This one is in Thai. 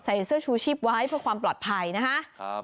ใส่เสื้อชูชีพไว้เพื่อความปลอดภัยนะคะ